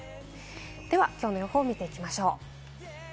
ではきょうの予報を見ていきましょう。